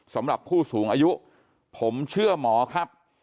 สำหรับผู้สูงอายุผมเชื่อหมอครับ